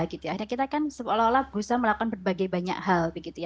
karena kita kan seolah olah berusaha melakukan berbagai banyak hal